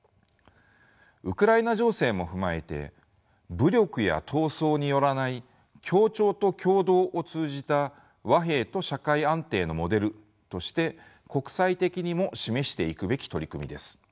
ウクライナ情勢も踏まえて武力や闘争によらない協調と協働を通じた和平と社会安定のモデルとして国際的にも示していくべき取り組みです。